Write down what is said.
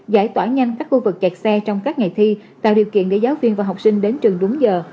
giải tỏa nhanh các khu vực kẹt xe trong các ngày thi tạo điều kiện để giáo viên và học sinh đến trường đúng giờ